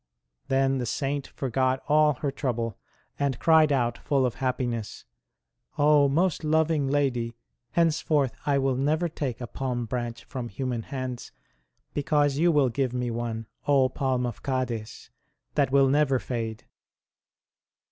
Then the Saint forgot all her trouble and cried out, full of happiness :" O most loving Lady, hence forth I will never take a palm branch from human hands, because you will give me one, O Palm of Cades ! that will never fade